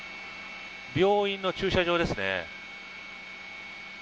病院の駐車場ですね。